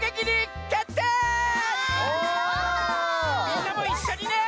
みんなもいっしょにね！